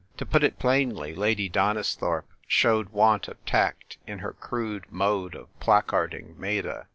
To put it plainly, Lady Donisthorpe showed want of tact in her crude mode of placarding Meta.